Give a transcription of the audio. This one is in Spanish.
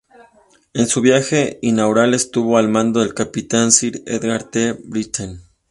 En su viaje inaugural estuvo al mando el capitán Sir Edgar T. Britten.